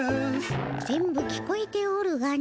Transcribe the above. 全部聞こえておるがの。